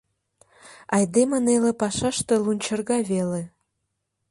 Айдеме неле пашаште лунчырга веле...